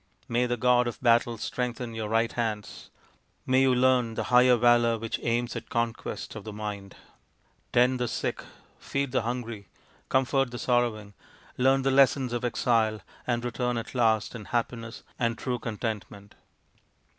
May the god of battles strengthen your right hands ; may you learn the higher valour which aims at conquest of the mind. Tend the sick, feed the hungry, comfort the sorrowing, learn the lessons of exile, and return at last in happiness and true contentment."